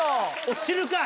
落ちるか！